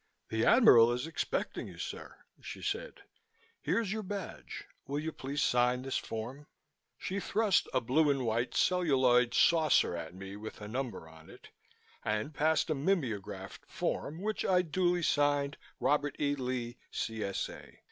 "The Admiral is expecting you, sir," she said. "Here's your badge. Will you please sign this form?" She thrust a blue and white celluloid saucer at me, with a number on it, and passed a mimeographed form, which I duly signed "Robert E. Lee, C.S.A.